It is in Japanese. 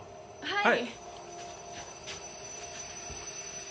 はい。